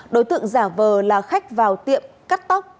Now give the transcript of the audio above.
đối tượng giả vờ là khách vào tiệm cắt tóc